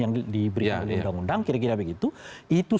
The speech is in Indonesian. undang undang kira kira begitu itu